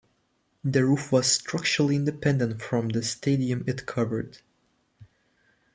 The roof was structurally independent from the stadium it covered.